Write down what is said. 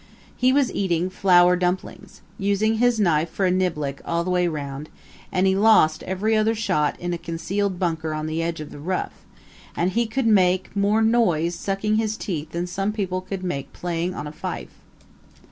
He was eating flour dumplings, using his knife for a niblick all the way round; and he lost every other shot in a concealed bunker on the edge of the rough; and he could make more noise sucking his teeth than some people could make playing on a fife.